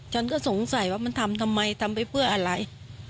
ฉันก็สงสัยว่ามันทำทำไมทำไปเพื่ออะไร